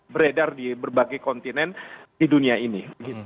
beredar di berbagai kontinen di dunia ini